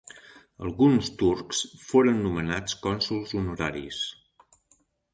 Alguns turcs foren nomenats cònsols honoraris.